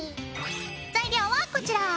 材料はこちら！